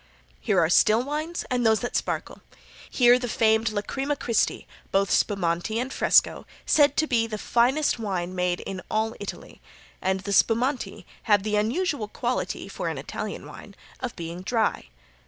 Here are still wines and those that sparkle. Here the famed Lacrima Christi, both spumanti and fresco, said to be the finest wine made in all Italy, and the spumanti have the unusual quality for an Italian wine of being dry.